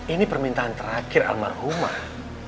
ini permintaan terakhir almarhumah